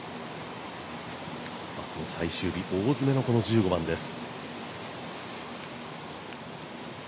最終日、大詰めの１５番です。